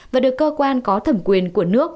và được cơ quan có thẩm quyền của nước